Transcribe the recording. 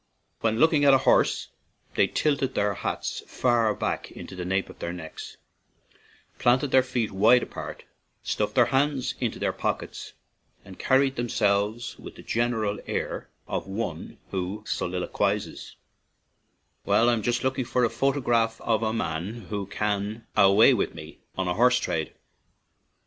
When looking at a horse, they tilted their hats far back into the 117 ON AN IRISH JAUNTING CAR nape of their necks, planted their feet wide apart, stuffed their hands into their pock ets, and carried themselves with the gen eral air of one who soliloquizes, "Well, I'm just looking for the photograph of a man who can get away with me on a hoss trade."